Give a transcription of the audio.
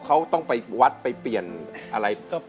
เขาต้องไปวัดไปเปลี่ยนอะไร